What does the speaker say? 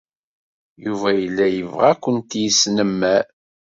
Yuba yella yebɣa ad kent-yesnemmer.